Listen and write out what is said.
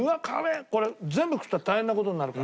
これ全部食ったら大変な事になるから。